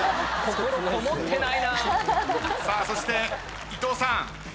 さあそして伊藤さん。